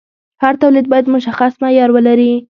هر تولید باید مشخص معیار ولري.